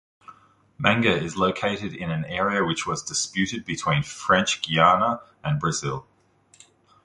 Manga is located in an area which was disputed between French Guiana and Brazil.